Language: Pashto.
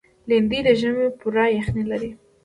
لېندۍ د ژمي پوره یخني لري.